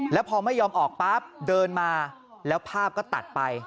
แล้วพอไม่ยอมออกปั๊บเดินมาแล้วภาพก็ตัดไป